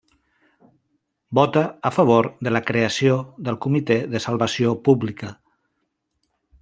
Vota a favor de la creació del Comitè de Salvació Pública.